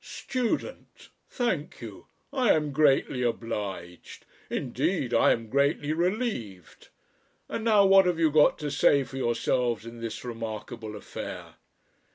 Student! Thank you. I am greatly obliged. Indeed I am greatly relieved. And now, what have you got to say for yourselves in this remarkable affair?"